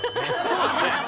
そうですね。